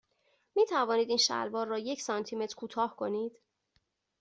می توانید این شلوار را یک سانتی متر کوتاه کنید؟